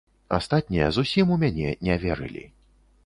Астатнія зусім у мяне не верылі.